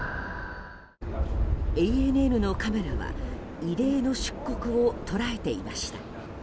ＡＮＮのカメラは異例の出国を捉えていました。